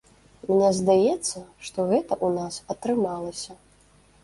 Мне здаецца, што гэта ў нас атрымалася.